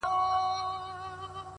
شعار خو نه لرم له باده سره شپې نه كوم؛